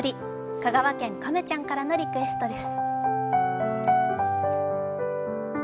香川県かめちゃんからのリクエストです。